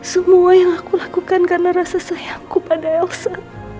semua yang aku lakukan karena rasa sayangku pada elsa